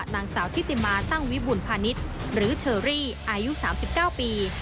นางสาวทิติมาตั้งวิบุญพาณิชย์หรือเชอรี่อายุ๓๙ปี